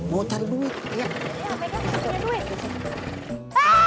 iya yang pegang duit punya duit